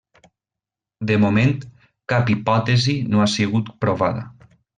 De moment, cap hipòtesi no ha sigut provada.